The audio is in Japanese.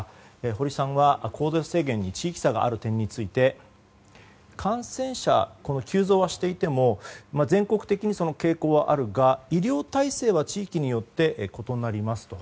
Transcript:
堀さんは、行動制限に地域差がある点について感染者急増はしていても全国的にその傾向はあるが医療体制は地域によって異なりますと。